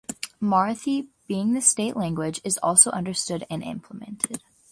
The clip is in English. Marathi, being the state language, is also understood and implemented.